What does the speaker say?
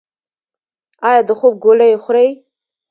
ایا د خوب ګولۍ خورئ؟